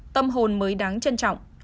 tâm hồn mới đáng trân trọng